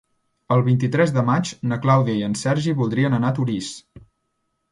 El vint-i-tres de maig na Clàudia i en Sergi voldrien anar a Torís.